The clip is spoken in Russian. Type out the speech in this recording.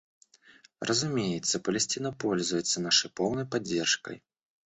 Разумеется, Палестина пользуется нашей полной поддержкой.